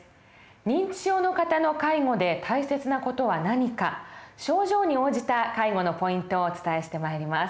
認知症の方の介護で大切な事は何か症状に応じた介護のポイントをお伝えしてまいります。